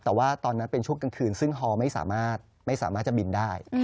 แต่ว่าตอนนั้นเป็นช่วงกลางคืนซึ่งฮอลไม่สามารถไม่สามารถจะบินได้